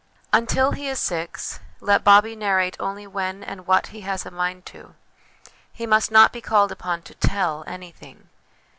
Until he is six, let Bobbie narrate only when and what he has a mind to. He must not be called upon to tell anything.